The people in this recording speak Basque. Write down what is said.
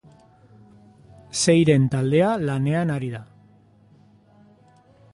Seiren taldea lanean ari da.